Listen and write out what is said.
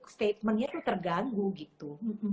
statementnya tuh terganggu gitu